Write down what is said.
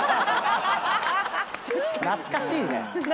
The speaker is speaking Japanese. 懐かしいね。